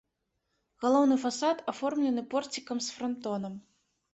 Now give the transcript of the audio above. Галоўны фасад аформлены порцікам з франтонам.